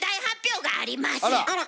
あら！